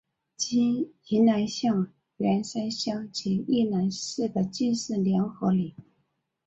今宜兰县员山乡及宜兰市的进士联合里。